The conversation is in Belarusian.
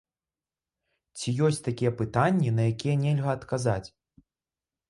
Ці ёсць такія пытанні, на якія нельга адказаць?